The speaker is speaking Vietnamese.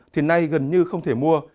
thì nay gần như không thể mua